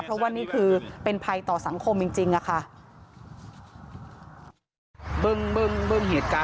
เพราะว่านี่คือเป็นภัยต่อสังคมจริงค่ะ